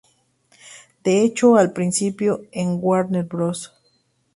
De hecho al principio en Warner Bros.